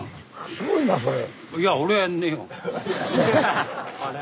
すごいなそれ。